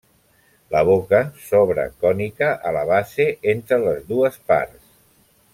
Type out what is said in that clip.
La boca s'obre cònica a la base entre les dues parts.